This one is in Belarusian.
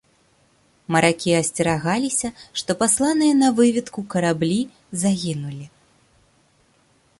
Маракі асцерагаліся, што пасланыя на выведку караблі загінулі.